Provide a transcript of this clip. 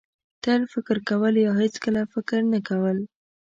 تل فکر کول یا هېڅکله فکر نه کول.